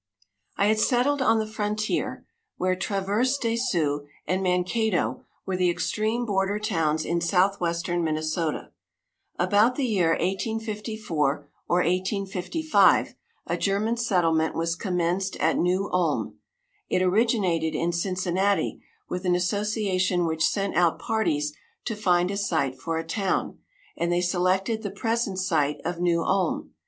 I had settled on the frontier, where Traverse des Sioux and Mankato were the extreme border towns in southwestern Minnesota. About the year 1854 or 1855 a German settlement was commenced at New Ulm. It originated in Cincinnati, with an association which sent out parties to find a site for a town, and they selected the present site of New Ulm.